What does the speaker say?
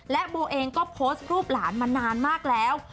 และโบเองก็โพสต์รูปหลานมานานมากแล้ว